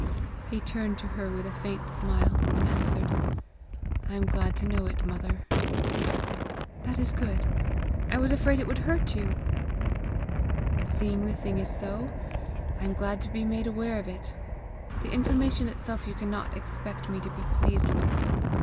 He turned to her with a faint smile, and answered, "I am glad to know it, mother." "That is good. I was afraid it would hurt you!" "Seeing the thing is so, I am glad to be made aware of it. The information itself you cannot expect me to be pleased with!"